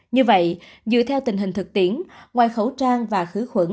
như vậy dựa theo tình hình thực tiễn ngoài khẩu trang và khử khuẩn